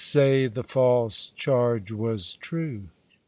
*'SAT THE FALSE CHARGE WAS TRUE."